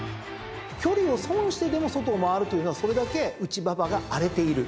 距離を損してでも外を回るというのはそれだけ内馬場が荒れている。